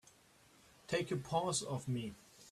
Take your paws off me!